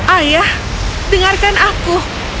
ayah dengarkan aku